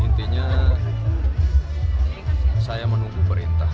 intinya saya menunggu perintah